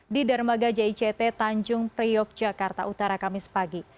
di dermaga jict tanjung priok jakarta utara kamis pagi